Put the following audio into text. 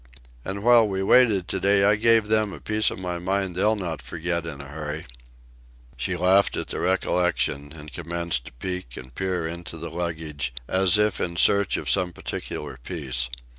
And while we waited to day I gave them a piece of my mind they'll not forget in a hurry." She laughed at the recollection, and commenced to peep and peer into the luggage as if in search of some particular piece.